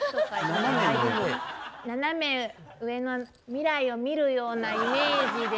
斜め上の未来を見るようなイメージで。